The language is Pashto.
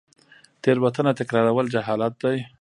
تیروتنه تکرارول جهالت دی